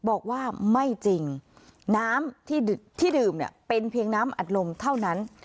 บอกว่าไม่จริงน้ำที่ดื่มเนี่ยเป็นเพียงน้ำอัดลมเท่านั้น